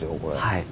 はい。